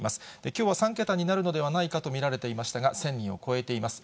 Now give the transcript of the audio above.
きょうは３桁になるのではないかと見られていましたが、１０００人を超えています。